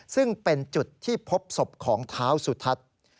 ซึ่งเป็นจุดที่พบศพของเท้าสุทัศน์